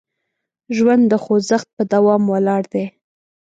ژوند د خوځښت په دوام ولاړ دی.